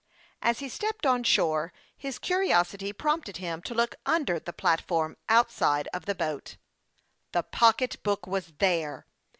As he stepped on shore, his curiosity prompted him to look under the platform outside of the boat. The pocketbook was there